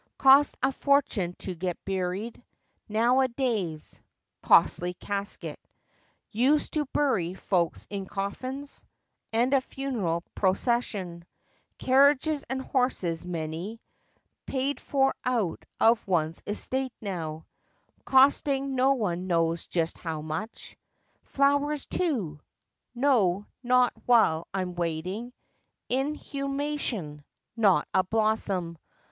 Costs a fortune to get buried Now a days. Costly " casket " (Used to bury folks in coffins); And a funeral procession— Carriages and horses many (Paid for out of one's estate now), Costing—no one knows just how much ! Flowers, too ! No, not while I'm waiting Inhumation ! Not a blossom!